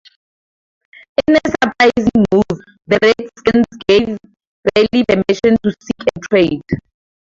In a surprising move, the Redskins gave Bailey permission to seek a trade.